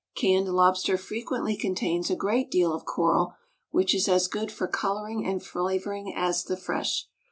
Canned lobster frequently contains a great deal of coral, which is as good for coloring and flavoring as the fresh.